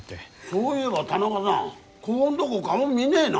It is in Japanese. そういえば田中さんこごんどご顔見ねえな。